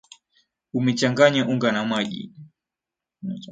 Unachanganya unga na maji.